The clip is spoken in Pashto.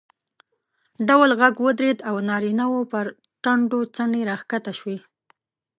ډول غږ ودرېد او نارینه وو پر ټنډو څڼې راکښته شوې.